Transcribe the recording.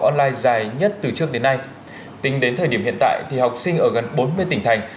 online dài nhất từ trước đến nay tính đến thời điểm hiện tại thì học sinh ở gần bốn mươi tỉnh thành